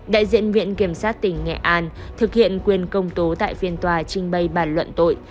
đại diện viện kiểm sát tỉnh nghệ an thực hiện quyền công tố tại phiên tòa trình bày bản luận tội